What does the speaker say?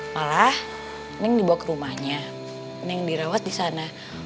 malah neng dibawa ke rumahnya neng dirawat disana